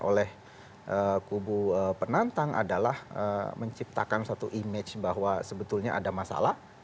oleh kubu penantang adalah menciptakan suatu image bahwa sebetulnya ada masalah